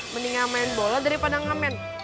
mendingan main bola daripada ngamen